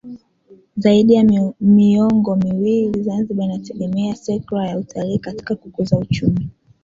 Zaidi ya miongo miwili Zanzibar inategema sekra ya utalii katika kukuza uchumi